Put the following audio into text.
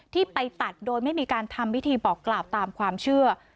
ที่ไปตัดโดยไม่มีการทำพิธีบอกกล่าวตามความเชื่อ